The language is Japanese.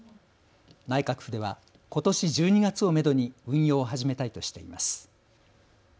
内閣府ではことし１２月をめどに運用を始めたいとしています。